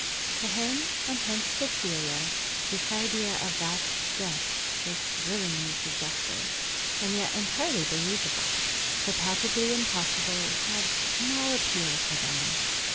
To him, and hence to Celia, this idea of vast depths was thrillingly suggestive, and yet entirely believable. The palpably impossible had small appeal for them.